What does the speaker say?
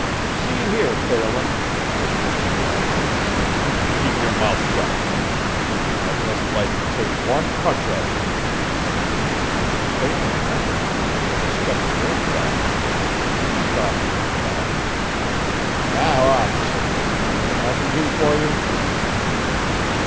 "See here, Phelan," protested Gladwin. "Kape your mouth shut I'd just like to take wan punch at yez." Phelan meant it and took a step toward Gladwin when the thief stopped him and asked: "Now, officer, is there anything I can do for you?"